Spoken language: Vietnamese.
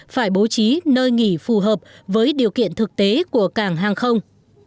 phải bố trí nơi nghỉ phù hợp với điều kiện thực tế của cảng hàng không